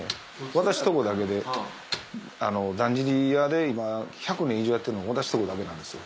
私のとこだけでだんじり屋で今１００年以上やってるのは私のとこだけなんですよ。